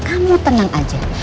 kamu tenang aja